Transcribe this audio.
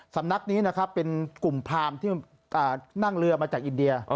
สำนักนี้นะครับเป็นกลุ่มพรามที่นั่งเรือมาจากอินเดีย